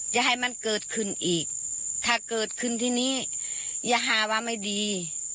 อย่าให้มันเกิดขึ้นอีกถ้าเกิดขึ้นที่นี้อย่าหาว่าไม่ดี